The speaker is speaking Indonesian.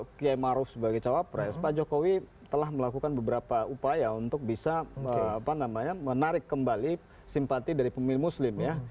dan ketiga ketika kiai maruf diambil sebagai cawapres pak jokowi telah melakukan beberapa upaya untuk bisa menarik kembali simpati dari pemilih muslim ya